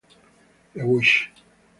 The Wish